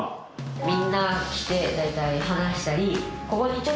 みんな来て大体話したりここに。